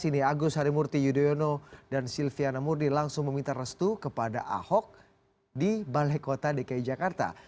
ini agus harimurti yudhoyono dan silviana murni langsung meminta restu kepada ahok di balai kota dki jakarta